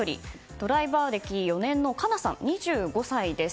ドライバー歴４年のかなさん、２５歳です。